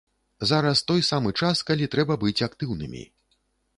Зараз той самы час, калі трэба быць актыўнымі.